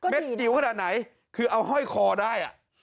จิ๋วขนาดไหนคือเอาห้อยคอได้